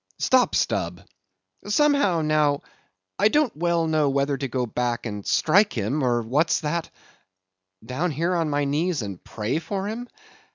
Stop, Stubb; somehow, now, I don't well know whether to go back and strike him, or—what's that?—down here on my knees and pray for him?